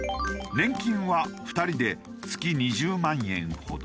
年金は２人で月２０万円ほど。